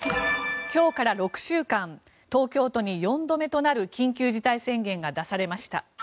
今日から６週間東京都に４度目となる緊急事態宣言が出されました。